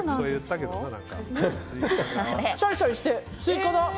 シャリシャリして、スイカだ。